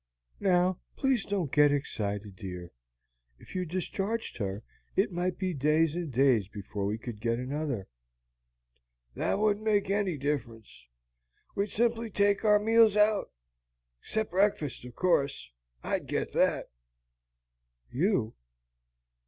"Now, please don't get excited, dear. If you discharged her, it might be days and days before we could get another." "That wouldn't make any difference. We'd simply take our meals out. Except breakfast, of course. I'd get that." "You?"